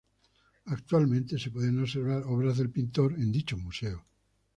Actualmente, se pueden observar obras del pintor en dicho museo.